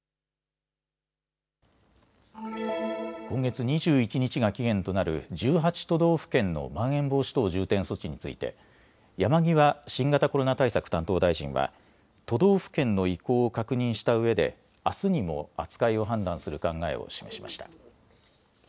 今月２１日が期限となる１８都道府県のまん延防止等重点措置について山際新型コロナ対策担当大臣は都道府県の意向を確認したうえであすにも扱いを判断する考えを示しました。